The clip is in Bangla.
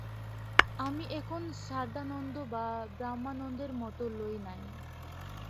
আমি এখন সারদানন্দ বা ব্রহ্মানন্দের মত লই নাই।